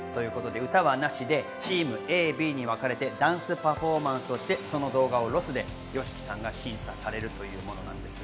歌はなしで、ＴｅａｍＡ・Ｂにわかれてダンスパフォーマンスをして、その動画をロスでＹＯＳＨＩＫＩさんが審査されるというものです。